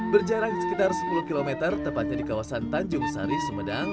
berjarak sekitar sepuluh km tepatnya di kawasan tanjung sari sumedang